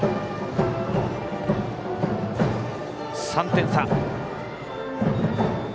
３点差。